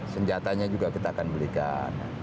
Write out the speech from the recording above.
senjatanya juga kita akan belikan